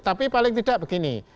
tapi paling tidak begini